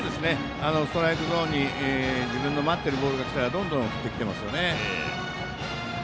ストライクゾーンに自分の待っているボールがきたらどんどん振ってますね。